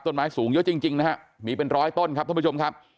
ต้นไม้สูงเยอะจริงนะฮะมีเป็นร้อยต้นครับท่านผู้ชมครับ